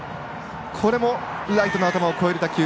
これもライトの頭を越える打球。